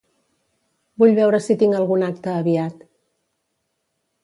Vull veure si tinc algun acte aviat.